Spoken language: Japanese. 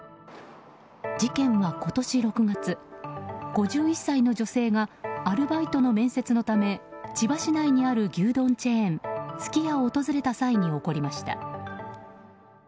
事件は、今年６月５１歳の女性がアルバイトの面接のため千葉市内にある牛丼チェーンすき家を訪れた際に起こりました。